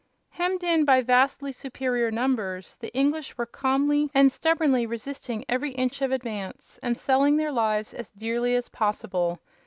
Hemmed in by vastly superior numbers, the English were calmly and stubbornly resisting every inch of advance and selling their lives as dearly as possible.